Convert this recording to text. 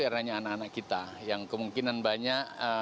eranya anak anak kita yang kemungkinan banyak